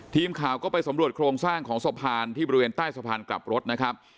ทีมข่าวก็ไปสำรวจโครงสร้างของสะพานที่บริเวณใต้สะพานกลับรถนะครับ